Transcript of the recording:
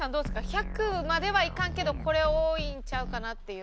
１００まではいかんけどこれ多いんちゃうかなっていう。